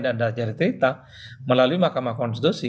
dan ada cerita melalui mahkamah konstitusi